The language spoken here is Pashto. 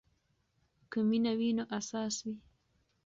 که مینه وي نو اساس وي.